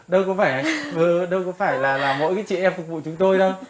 đâu có phải là mỗi chị em phục vụ chúng tôi đâu